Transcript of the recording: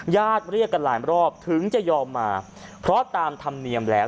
เรียกกันหลายรอบถึงจะยอมมาเพราะตามธรรมเนียมแล้ว